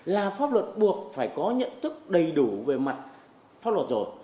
là pháp luật buộc phải có nhận thức đầy đủ về mặt pháp luật rồi